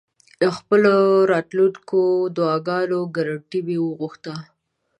د خپلو راتلونکو دعاګانو ګرنټي مې وغوښته.